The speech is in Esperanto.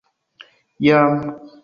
jam